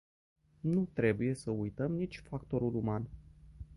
Nu trebuie să uităm nici factorul uman.